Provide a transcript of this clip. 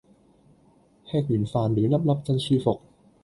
吃完飯暖粒粒真舒服